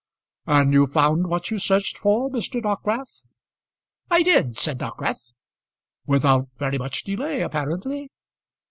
"And you found what you searched for, Mr. Dockwrath?" "I did," said Dockwrath. "Without very much delay, apparently?"